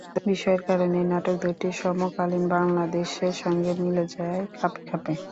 বিষয়ের কারণেই নাটক দুটি সমকালীন বাংলাদেশের সঙ্গে মিলে যায় খাপে খাপে।